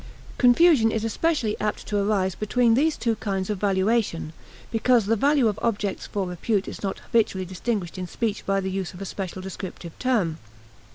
Confusion is especially apt to arise between these two kinds of valuation, because the value of objects for repute is not habitually distinguished in speech by the use of a special descriptive term.